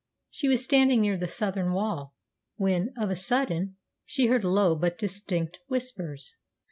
She was standing near the southern wall, when, of a sudden, she heard low but distinct whispers.